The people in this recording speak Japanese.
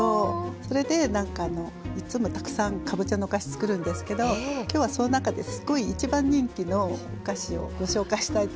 それでなんかいつもたくさんかぼちゃのお菓子つくるんですけど今日はその中ですごい一番人気のお菓子をご紹介したいと思います。